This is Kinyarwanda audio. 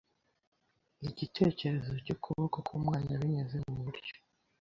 igitekerezo cyukuboko kumwana binyuze mu buryo